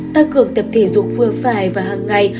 tăng cường tập thể dục vừa phải và hàng ngày